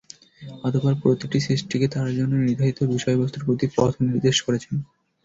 অতঃপর প্রতিটি সৃষ্টিকে তার জন্যে নির্ধারিত বিষয় বস্তুর প্রতি পথনির্দেশ করেছেন।